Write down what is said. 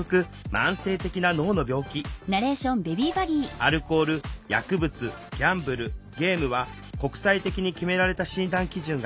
アルコール薬物ギャンブルゲームは国際的に決められた診断基準があるわ。